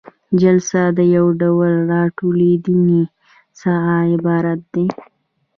جلسه د یو ډول راټولیدنې څخه عبارت ده.